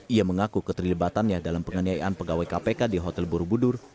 ia mengaku keterlibatannya dalam penganiayaan pegawai kpk di hotel borobudur